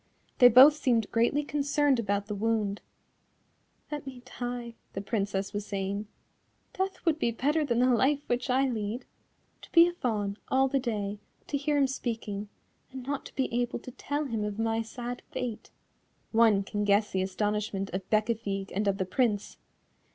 They both seemed greatly concerned about the wound: "Let me die," the Princess was saying, "death would be better than the life which I lead. To be a Fawn all the day, to hear him speaking, and not to be able to tell him of my sad fate." One can guess the astonishment of Bécafigue and of the Prince.